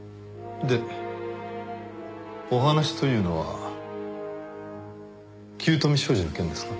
でお話というのは九斗美商事の件ですか？